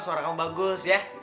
suara kamu bagus ya